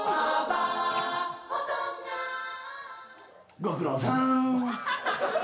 ご苦労さん。